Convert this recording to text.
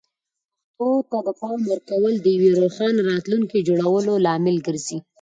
پښتو ته د پام ورکول د یوې روښانه راتلونکې جوړولو لامل ګرځي.